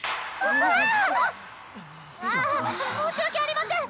あっ申し訳ありません！